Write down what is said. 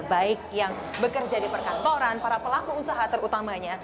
baik yang bekerja di perkantoran para pelaku usaha terutamanya